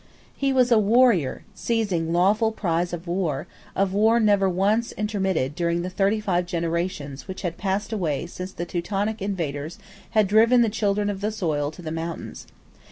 He was a warrior seizing lawful prize of war, of war never once intermitted during the thirty five generations which had passed away since the Teutonic invaders had driven the children of the soil to the mountains.